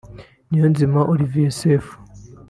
Niyonzima Olivier Sefu